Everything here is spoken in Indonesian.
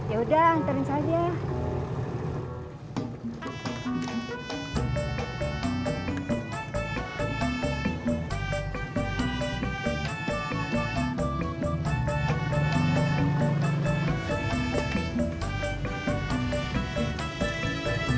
yaudah anterin saja